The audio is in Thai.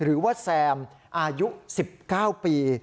หรือว่าแซมอายุ๑๙ปี